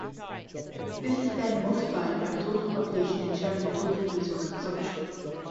This is then multiplied by the total population to determine the total resource consumption.